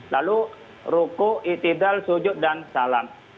lalu ruku istidal sujud dan salam